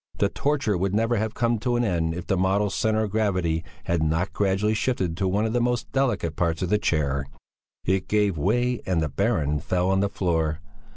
The torture would never have come to an end if the model's centre of gravity had not gradually shifted to one of the most delicate parts of the chair; it gave way and the Baron fell on the floor.